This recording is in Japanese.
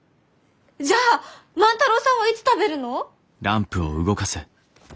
じゃあ万太郎さんはいつ食べるの！？